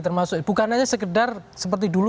termasuk bukan hanya sekedar seperti dulu